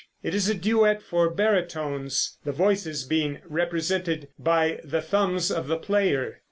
It is a duet for baritones, the voices being represented by the thumbs of the player.